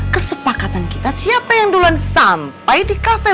kesepakatan kita siapa yang duluan sampai di kafe